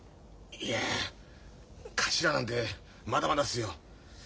いや頭なんてまだまだっすよ。